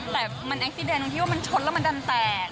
แต่มันแอ็กซิเดนตรงที่ว่ามันชนแล้วมันดันแตก